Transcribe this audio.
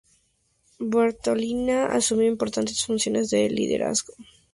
Bartolina asumió importantes funciones de liderazgo.